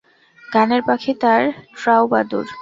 গানের পাখি তার ট্রাউবাদুর।